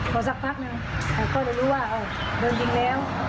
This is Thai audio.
พอสักพักนึงก็จะรู้ว่าโดนจริงแล้ว